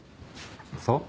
そう？